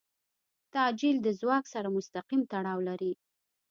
تعجیل د ځواک سره مستقیم تړاو لري.